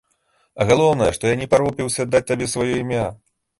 А галоўнае, што я не парупіўся даць табе сваё імя.